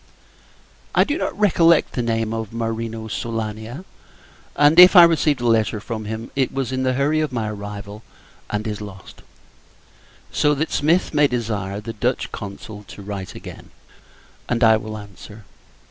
I do not recollect the name of Marino Soolania; and, if I received a letter from him, it was in the hurry of my arrival, and is lost: so that Smith may desire the Dutch Consul to desire him to write again, and I will answer.